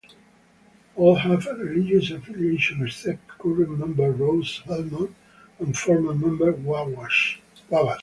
All have a religious affiliation except current member Rose-Hulman and former member Wabash.